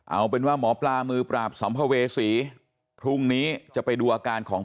เอาเป็นว่าหมอปลามือปราบสัมภเวษีพรุ่งนี้จะไปดูอาการของ